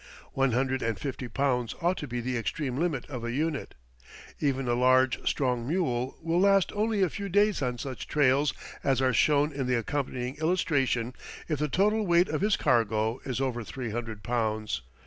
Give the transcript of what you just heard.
One hundred and fifty pounds ought to be the extreme limit of a unit. Even a large, strong mule will last only a few days on such trails as are shown in the accompanying illustration if the total weight of his cargo is over three hundred pounds.